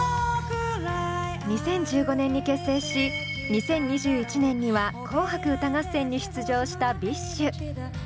２０１５年に結成し２０２１年には「紅白歌合戦」に出場したＢｉＳＨ。